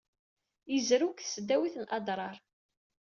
Yezrew deg tesdawit n Adrar.